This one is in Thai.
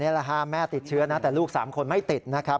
แหละฮะแม่ติดเชื้อนะแต่ลูก๓คนไม่ติดนะครับ